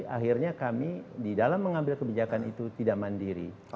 akhirnya kami di dalam mengambil kebijakan itu tidak mandiri